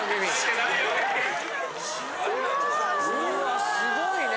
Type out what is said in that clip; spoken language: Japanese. ・うわ・うわすごいね。